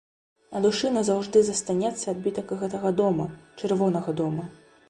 На душы назаўжды застанецца адбітак гэтага дома, чырвонага дома.